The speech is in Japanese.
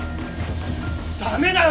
駄目だよ